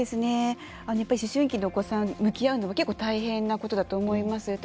やっぱり思春期のお子さん向き合うのは結構、大変なことだと思います。